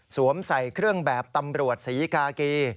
ใส่เครื่องแบบตำรวจศรีกากี